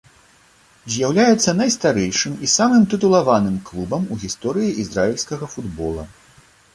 З'яўляецца найстарэйшым і самым тытулаваным клубам у гісторыі ізраільскага футбола.